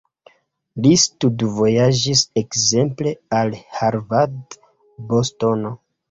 Li studvojaĝis ekzemple al Harvard, Bostono.